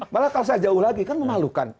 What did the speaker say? malah kalau saya jauh lagi kan memalukan